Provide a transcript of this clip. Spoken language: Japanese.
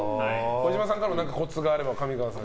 児嶋さんからも何かコツがあれば上川さんに。